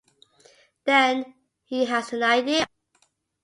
Then, he has an idea.